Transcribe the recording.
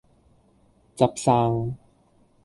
執生